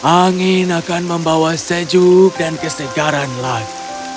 angin akan membawa sejuk dan kesegaran lagi